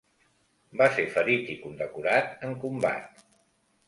Va ser ferit i condecorat en combat.